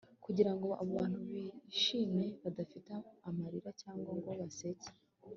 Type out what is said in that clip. Kugira ngo abo bantu bishimye badafite amarira cyangwa ngo baseke